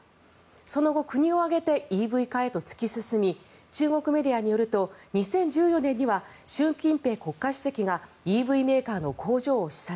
その後国を挙げてＥＶ化へと突き進み中国メディアによると２０１４年には習近平国家主席がＥＶメーカーの工場を視察。